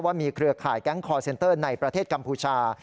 มีเครือข่ายแก๊งคอร์เซ็นเตอร์ในประเทศกัมพูชา